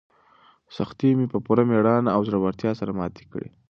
سختۍ مې په پوره مېړانه او زړورتیا سره ماتې کړې.